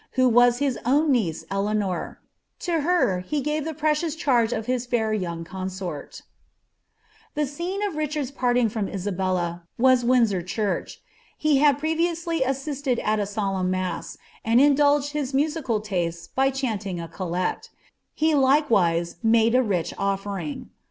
who was his own niece Eleanor ; to her he gave ihe preciofH ekap ^ his fair young ronsorL The scene of Kichard's parting from Is^>elU was Wlndanr cbnciL lie liad previously assisted at a solemn mans, and indulged his tnasiBl tastes by chaniing a collect ; he likewise made a rich olfering.